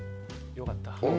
よかった。